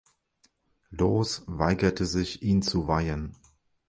Loos weigerte sich, ihn zu weihen.